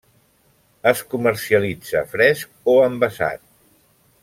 Es comercialitza fresc o envasat.